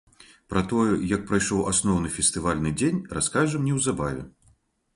Пра тое, як прайшоў асноўны фестывальны дзень, раскажам неўзабаве.